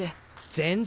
全然！